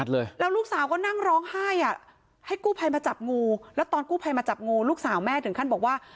แล้วลูกสาวก็นั่งร้องไห้อ่ะให้กู้ภัยมาจับงูแล้วตอนกู้ภัยมาจับงูลูกสาวแม่ถึงขั้นบอกว่า